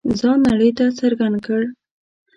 ځان نړۍ ته څرګند کړ.